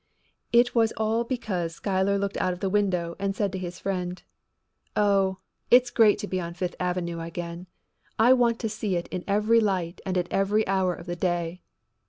It was all because Schuyler looked out of the window and said to his friend: "Oh, it's great to be on Fifth Avenue again. I want to see it in every light and at every hour of the day.